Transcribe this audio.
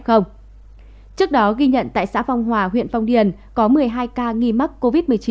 trước đó ghi nhận tại xã phong hòa huyện phong điền có một mươi hai ca nghi mắc covid một mươi chín